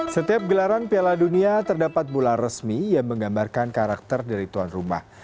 setiap gelaran piala dunia terdapat bola resmi yang menggambarkan karakter dari tuan rumah